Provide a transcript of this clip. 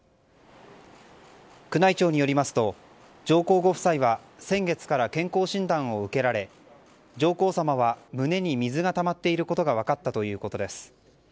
宮内庁によりますと上皇ご夫妻は先月から健康診断を受けられ上皇さまは胸に水がたまっていることが分かったということです。